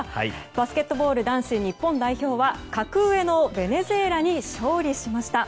バスケットボール男子日本代表は格上のベネズエラに勝利しました。